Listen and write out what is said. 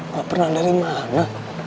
gak pernah dari mana